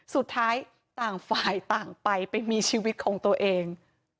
ต่างฝ่ายต่างไปไปมีชีวิตของตัวเอง